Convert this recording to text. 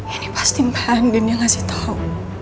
ini pasti npa andin yang ngasih tau